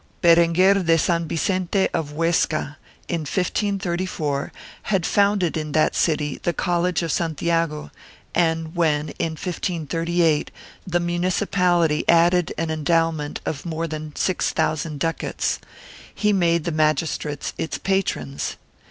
Berenguer de San Vicente of Huesca, in 1534, had founded in that city the College of Santiago and when, in 1538, the munici pality added an endowment of more than six thousand ducats, he made the magistrates its patrons.